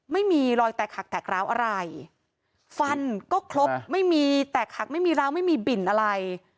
ไม่มีรอยแตกหักแตกร้าวอะไรฟันก็ครบไม่มีแตกหักไม่มีร้าวไม่มีบิ่นอะไร